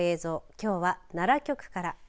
きょうは奈良局から。